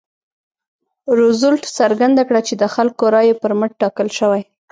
روزولټ څرګنده کړه چې د خلکو رایو پر مټ ټاکل شوی.